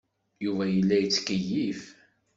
Yuba yella yettkeyyif.